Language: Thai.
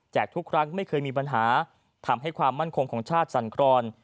ทุกครั้งไม่เคยมีปัญหาทำให้ความมั่นคงของชาติสั่นครอน